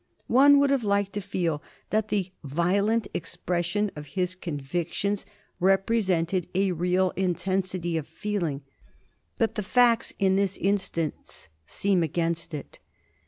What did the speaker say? One would have liked to feel that the violent expression of his convictions represented a real intensity of feeling, but the facts in this instance seem against it.